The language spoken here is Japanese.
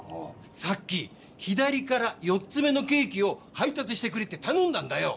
さっき「ひだりから４つめのケーキをはいたつしてくれ」ってたのんだんだよ！